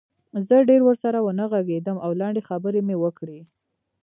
زه ډېر ورسره ونه غږېدم او لنډې خبرې مې وکړې